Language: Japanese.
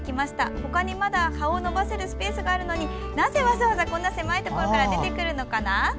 ほかにまだ葉を伸ばせるスペースがあるのになぜわざわざこんな狭いところから出てくるのかな？